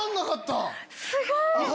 すごい！